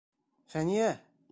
Фәниә!